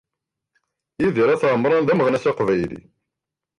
Yidir Ayt Ɛemran d ameɣnas aqbayli.